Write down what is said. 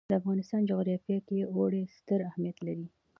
د افغانستان جغرافیه کې اوړي ستر اهمیت لري.